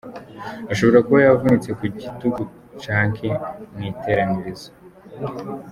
Ashobora kuba yavunitse ku gitugu canke mw'iteranirizo.